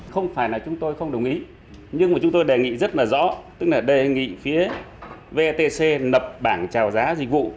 không phải là chúng tôi không đồng ý nhưng mà chúng tôi đề nghị rất là rõ tức là đề nghị phía vetc lập bảng trào giá dịch vụ